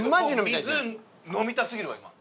水飲みたすぎるわ今。